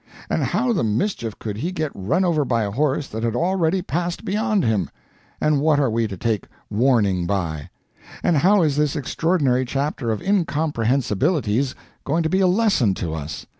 And how the mischief could he get run over by a horse that had already passed beyond him? And what are we to take "warning" by? And how is this extraordinary chapter of incomprehensibilities going to be a "lesson" to us?